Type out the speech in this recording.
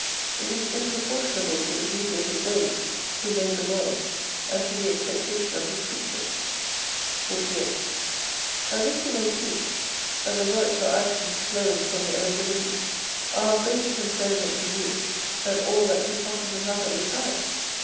It is improportionable to the beauty of His ways, Who made the world, and to the expectation of His creatures. 48 By this you may see, that the works or actions flowing from your own liberty are of greater concern ment to you than all that could possibly happen besides.